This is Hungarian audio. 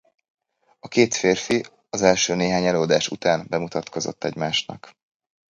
A két férfi az első néhány előadás után bemutatkozott egymásnak.